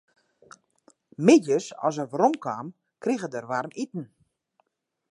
Middeis as er werom kaam, krige er waarmiten.